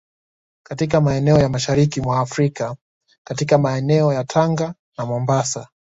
katika maeneo ya Mashariki mwa Afrika katika meeneo ya Tanga na Mombasa